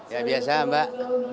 ya biasa mbak